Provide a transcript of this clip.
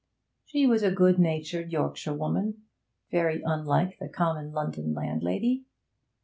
She was a good natured Yorkshirewoman, very unlike the common London landlady.